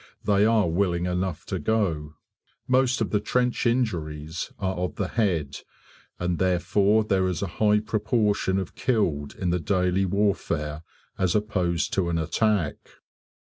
They are willing enough to go. Most of the trench injuries are of the head, and therefore there is a high proportion of killed in the daily warfare as opposed to an attack.